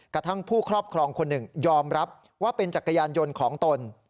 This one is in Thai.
กระทั่งผู้ครอบครองคนหนึ่งยอมรับว่าเป็นจักรยานยนต์ของตน